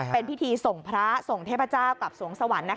เป็นพิธีส่งพระส่งเทพเจ้ากลับสวงสวรรค์